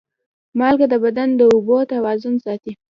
مالګه د بدن د اوبو توازن ساتي.